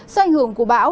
do ảnh hưởng của bão